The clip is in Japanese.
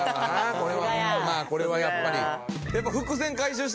これはまあこれはやっぱり。